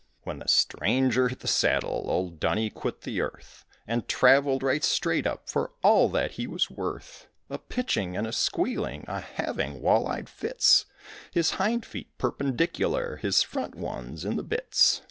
When the stranger hit the saddle, old Dunny quit the earth And traveled right straight up for all that he was worth. A pitching and a squealing, a having wall eyed fits, His hind feet perpendicular, his front ones in the bits.